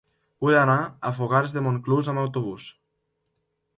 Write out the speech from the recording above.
Vull anar a Fogars de Montclús amb autobús.